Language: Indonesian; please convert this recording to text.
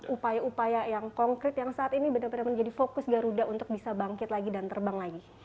upaya upaya yang konkret yang saat ini benar benar menjadi fokus garuda untuk bisa bangkit lagi dan terbang lagi